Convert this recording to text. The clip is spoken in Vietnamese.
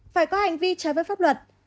phải có hành vi trái với pháp luật